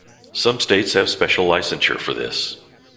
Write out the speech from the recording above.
Some states have special licensure for this.